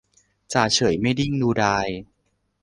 จ่าเฉยไม่นิ่งดูดาย